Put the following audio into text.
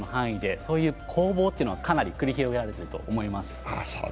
そういう攻防は、かなり繰り広げられてると思います。